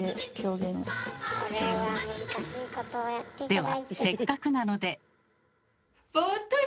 ではせっかくなので。